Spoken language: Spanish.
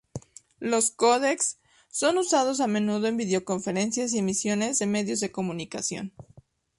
Los códecs son usados a menudo en videoconferencias y emisiones de medios de comunicación.